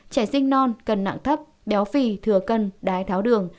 trẻ sinh non cần nặng thấp béo phì thừa cân đái tháo đường